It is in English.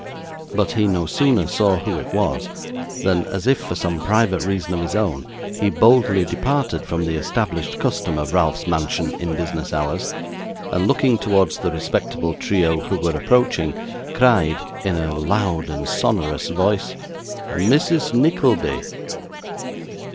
But he no sooner saw who it was, than as if for some private reason of his own, he boldly departed from the established custom of Ralph's mansion in business hours, and looking towards the respectable trio who were approaching, cried in a loud and sonorous voice, 'Mrs Nickleby!